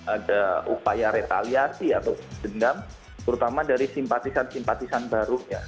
ada upaya retaliasi atau dendam terutama dari simpatisan simpatisan barunya